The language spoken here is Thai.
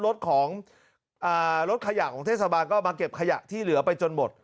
รถของรถขยะของเทศบาลก็มาเก็บขยะที่เหลือไปจนหมด